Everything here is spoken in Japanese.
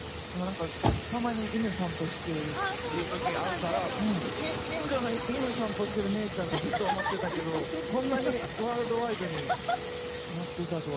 たまに犬散歩してるとき会うから近所の犬散歩してる姉ちゃんってずっと思ってたけどこんなにワールドワイドになってたとは。